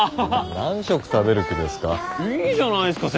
何食食べる気ですか？